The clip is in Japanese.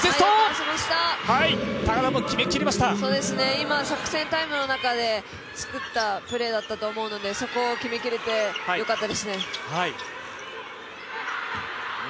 今、作戦タイムの中で作ったプレーだったと思うので、そこを決め切れてよかったですね。